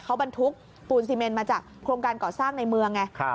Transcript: เขาบรรทุกปูนซีเมนมาจากโครงการก่อสร้างในเมืองไง